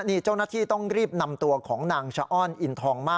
นี่เจ้าหน้าที่ต้องรีบนำตัวของนางชะอ้อนอินทองมา